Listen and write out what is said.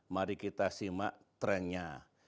mari kita simak trennya